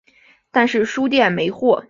但是书店没货